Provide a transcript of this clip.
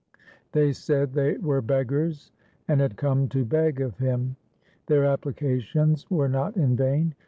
They said they were beggars and had come to beg of him. Their applications were not in vain.